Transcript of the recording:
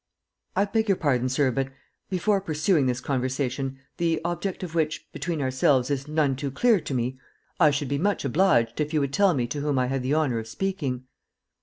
"I beg your pardon, sir, but, before pursuing this conversation, the object of which, between ourselves, is none too clear to me, I should be much obliged if you would tell me to whom I have the honour of speaking."